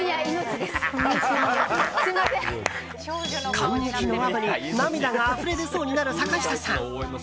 感激のあまり涙があふれ出そうになる坂下さん。